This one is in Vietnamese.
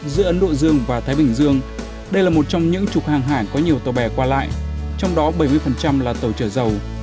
giữa ấn độ dương và thái bình dương đây là một trong những trục hàng hải có nhiều tàu bè qua lại trong đó bảy mươi là tàu trở dầu